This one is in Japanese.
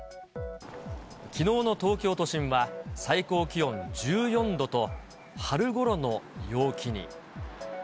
きのうの東京都心は、最高気温１４度と、春ごろの陽気に。